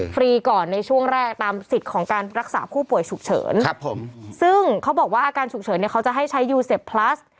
ฟรีก่อนในช่วงแรกตามสิทธิ์ของการรักษาผู้ป่วยฉุกเฉินครับผมซึ่งเขาบอกว่าอาการฉุกเฉินเนี่ยเขาจะให้ใช้ยูเซฟพลัส